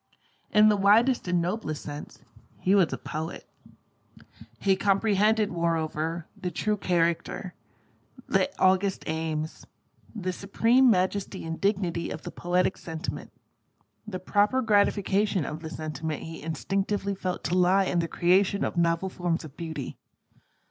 In the widest and noblest sense, he was a poet. He comprehended, moreover, the true character, the august aims, the supreme majesty and dignity of the poetic sentiment. The proper gratification of the sentiment he instinctively felt to lie in the creation of novel forms of Beauty.